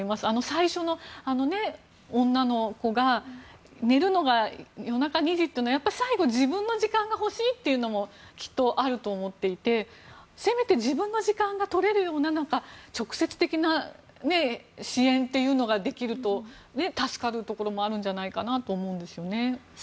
最初の女の子が寝るのが夜中２時というのは最後自分の時間が欲しいというのもきっとあると思っていてせめて自分の時間が取れるような直接的な支援というのができると、助かるところもあるんじゃないかなと思うんですよね。